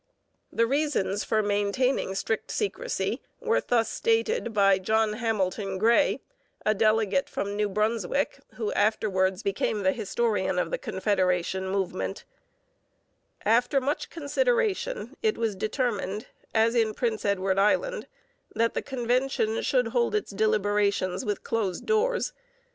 The reasons for maintaining strict secrecy were thus stated by John Hamilton Gray, a delegate from New Brunswick, who afterwards became the historian of the Confederation movement: After much consideration it was determined, as in Prince Edward Island, that the convention should hold its deliberations with closed doors.